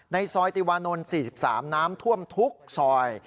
ซอยติวานนท์๔๓น้ำท่วมทุกซอย